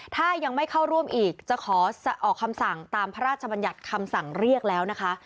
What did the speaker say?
ถ้ายังไม่เข้าร่วมอีกจะขอออกคำสั่งตามพระราชบัญญัติคำสั่งเรียกแล้วนะคะ